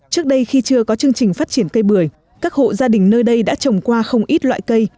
trước đây khi chưa có chương trình phát triển cây bưởi các hộ gia đình nơi đây đã trồng qua không ít loại cây